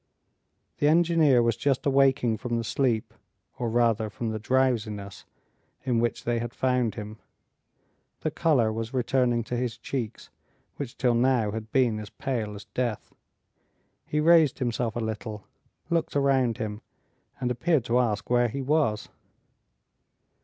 The engineer was just awaking from the sleep, or rather from the drowsiness, in which they had found him. The color was returning to his cheeks, which till now had been as pale as death. He raised himself a little, looked around him, and appeared to ask where he was.